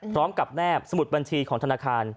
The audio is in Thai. พร้อมกับแนบสมุดบัญชีของธนาคาร